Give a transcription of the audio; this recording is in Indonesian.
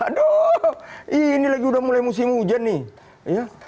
aduh ini lagi udah mulai musim hujan nih